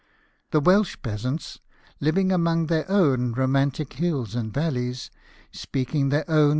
The Welsh peasants, living among their own romantic hills and valleys, speaking their own JOHN GIBSON, SCULPTOR.